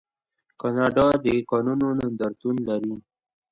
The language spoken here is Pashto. کاناډا د کانونو نندارتون لري.